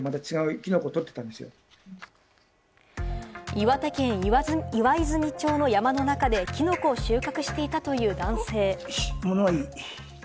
岩手県岩泉町の山の中でキノコを収穫していたという男性。